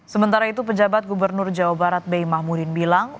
sementara itu pejabat gubernur jawa barat b i mahmurin bilang